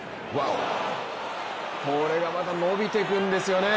これがまた伸びていくんですよね。